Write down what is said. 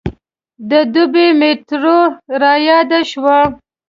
د دبۍ میټرو رایاده شوه.